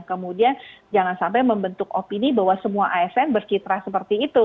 kemudian jangan sampai membentuk opini bahwa semua asn berkitra seperti itu